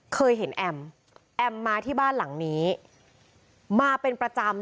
เคยเห็นแอมแอมมาที่บ้านหลังนี้มาเป็นประจำ